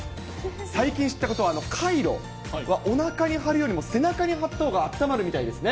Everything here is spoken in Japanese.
最近知ったことは、カイロは、おなかに貼るよりも背中に貼ったほうがあったまるみたいですね。